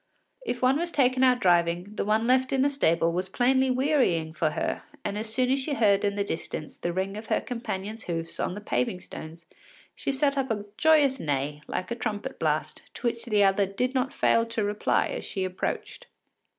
If one was taken out driving, the one left in the stable was plainly wearying for her, and as soon as she heard in the distance the ring of her companion’s hoofs on the paving stones, she set up a joyous neigh, like a trumpet blast, to which the other did not fail to reply as she approached.